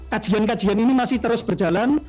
kajian kajian ini masih terus berjalan